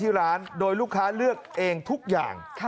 ที่ร้านโดยลูกค้าเลือกเองทุกอย่าง